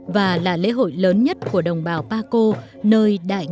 và là lễ hội lớn nhất của đồng bào baco nơi đại ngàn